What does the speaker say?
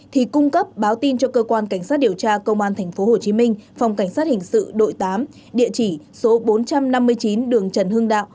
thì cung cấp báo tin cho cơ quan cảnh sát điều tra công an tp hcm phòng cảnh sát hình sự đội tám địa chỉ số bốn trăm năm mươi chín đường trần hưng đạo